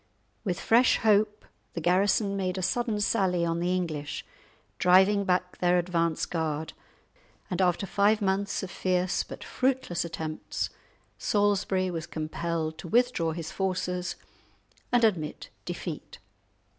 With fresh hope, the garrison made a sudden sally on the English, driving back their advance guard, and after five months of fierce but fruitless attempts, Salisbury was compelled to withdraw his forces and admit defeat.